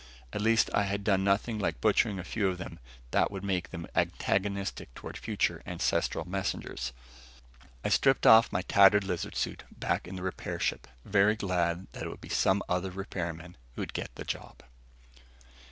At least I had done nothing, like butchering a few of them, that would make them antagonistic toward future ancestral messengers. I stripped off my tattered lizard suit back in the ship, very glad that it would be some other repairman who'd get the job.